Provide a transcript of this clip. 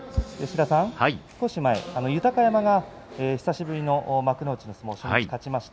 少し前、豊山が久しぶりの幕内の相撲を取って勝ちました。